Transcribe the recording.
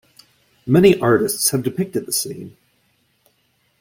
Many artists have depicted the scene.